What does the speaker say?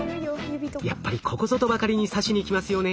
やっぱりここぞとばかりに刺しにきますよね。